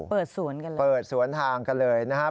เปิดสวนกันเลยเปิดสวนทางกันเลยนะครับ